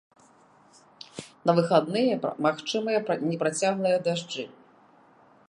На выхадныя магчымыя непрацяглыя дажджы.